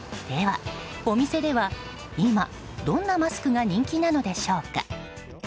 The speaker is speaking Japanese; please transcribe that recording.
では、お店では今どんなマスクが人気なのでしょうか。